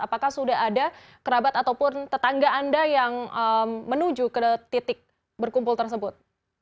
apakah sudah ada kerabat ataupun tetangga anda yang menuju ke titik berkumpul tersebut